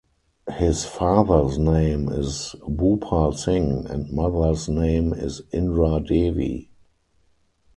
His father’s name is Bhupal Singh and mother’s name is Indra Devi.